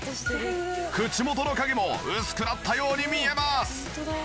口元の影も薄くなったように見えます。